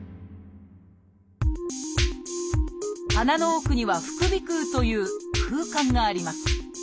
鼻の奥には「副鼻腔」という空間があります。